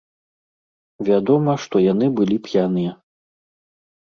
Вядома, што яны былі п'яныя.